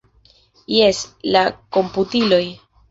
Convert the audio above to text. Jes, la komputiloj.